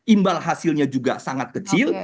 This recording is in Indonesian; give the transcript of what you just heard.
imbal hasilnya juga sangat kecil